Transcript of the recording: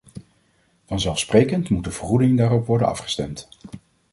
Vanzelfsprekend moet de vergoeding daarop worden afgestemd.